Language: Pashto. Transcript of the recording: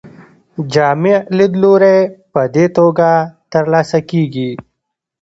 جامع لیدلوری په دې توګه ترلاسه کیږي.